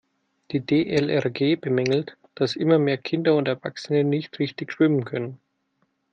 Die DLRG bemängelt, dass immer mehr Kinder und Erwachsene nicht richtig schwimmen können.